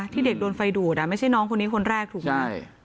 เด็กโดนไฟดูดไม่ใช่น้องคนนี้คนแรกถูกไหม